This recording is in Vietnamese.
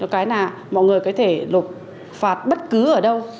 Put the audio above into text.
cái là mọi người có thể lục phạt bất cứ ở đâu